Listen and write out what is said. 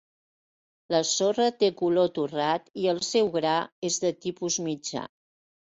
La sorra té color torrat i el seu gra és de tipus mitjà.